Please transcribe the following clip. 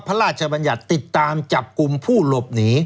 พระราชบัญญัติติดตามจับกลุ่มผู้หลบหนี